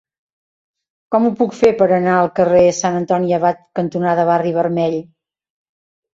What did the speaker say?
Com ho puc fer per anar al carrer Sant Antoni Abat cantonada Barri Vermell?